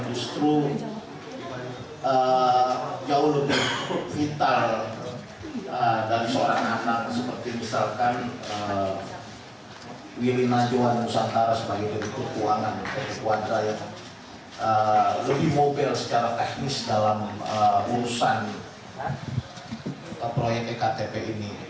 justru jauh lebih vital dari seorang anak seperti misalkan wili najwa nusantara sebagai petuk kuadra yang lebih mobil secara teknis dalam urusan proyek ektp ini